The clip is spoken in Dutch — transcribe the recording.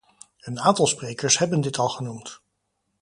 Een aantal sprekers hebben dit al genoemd.